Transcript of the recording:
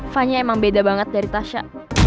fannya emang beda banget dari tasha